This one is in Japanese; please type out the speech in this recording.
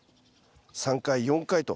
３回４回と。